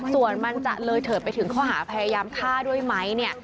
ส่วนมันจะเลยเถิดไปถึงข้อหาพยายามฆ่าด้วยไหมเนี่ย